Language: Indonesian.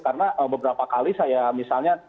karena beberapa kali saya misalnya